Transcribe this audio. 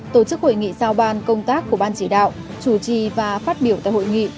tổ chức hội nghị sao ban công tác của ban chỉ đạo chủ trì và phát biểu tại hội nghị